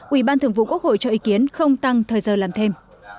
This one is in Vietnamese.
ubth cho ý kiến không tăng thời giờ làm thêm